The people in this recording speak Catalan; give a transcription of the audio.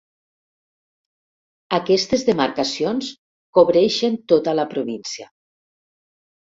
Aquestes demarcacions cobreixen tota la província.